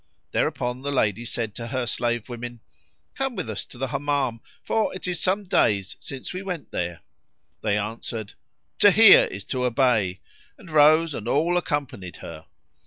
Thereupon the lady said to her slave women, "Come with us to the Hammam, for it is some days since we went there:" they answered, "To hear is to obey!" and rose and all accompanied her.